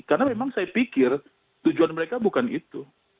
karena memang saya pikir tujuan mereka bukan itu